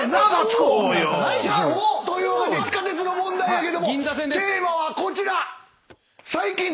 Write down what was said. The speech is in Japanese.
というわけで地下鉄の問題やけどもテーマはこちら！